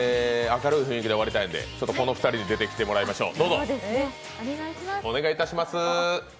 明るい雰囲気で終わりたいのでこの二人に出てきていただきましょう。